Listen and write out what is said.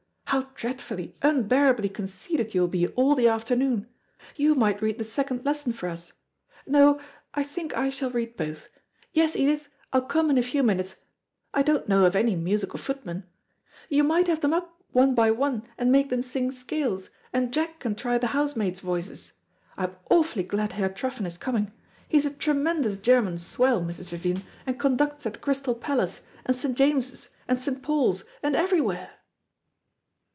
How dreadfully unbearably conceited you will be all the afternoon. You might read the second lesson for us; no, I think I shall read both. Yes, Edith, I'll come in a few minutes. I don't know of any musical footmen. You might have them up one by one and make them sing scales, and Jack can try the housemaids' voices. I'm awfully glad Herr Truffen is coming. He's a tremendous German swell, Mrs. Vivian, and conducts at the Crystal Palace, and St. James's, and St. Paul's and everywhere."